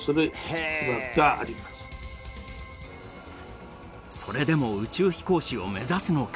それでも宇宙飛行士を目指すのか？